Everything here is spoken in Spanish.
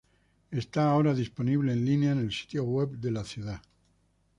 Está ahora disponible en línea en el sitio web de la ciudad.